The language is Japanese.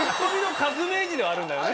ではあるんだよね？